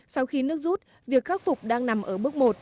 sau khi nước rút việc khắc phục đang nằm ở bước một